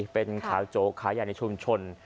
เป็นขาโจ๊กขายาในชุมชน